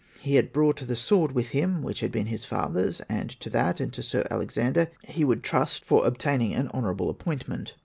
He had brought the sword with him which had been his father's, and to that and to Sir Alexander he would trust for obtaining an honorable appointment.